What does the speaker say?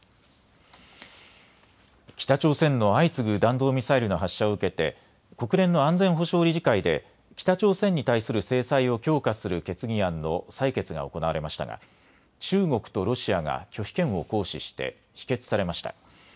北朝鮮の相次ぐ弾道ミサイルの発射を受けて国連の安全保障理事会で北朝鮮に対する制裁を強化する決議案の採決が行われましたが中国とロシアが拒否権を行使して否決されました。